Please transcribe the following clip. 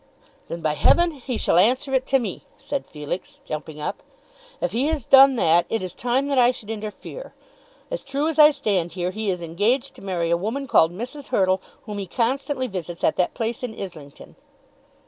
"Then, by heaven, he shall answer it to me," said Felix, jumping up. "If he has done that, it is time that I should interfere. As true as I stand here, he is engaged to marry a woman called Mrs. Hurtle whom he constantly visits at that place in Islington."